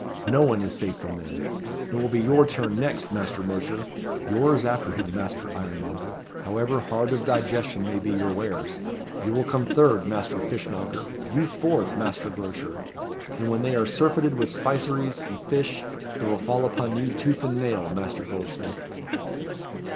No one is safe from them. It will be your turn next, Master Mercer. Yours after him, Master Ironmonger, however hard of digestion may be your wares. You will come third, Master Fishmonger. You fourth, Master Grocer. And when they are surfeited with spiceries and fish, they will fall upon you, tooth and nail, Master Goldsmith."